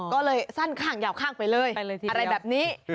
ก็เลยสั้นข้างยาวข้างไปเลยอะไรแบบนี้